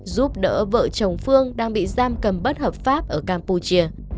giúp đỡ vợ chồng phương đang bị giam cầm bất hợp pháp ở campuchia